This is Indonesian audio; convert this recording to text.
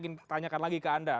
saya ingin pertanyakan lagi ke anda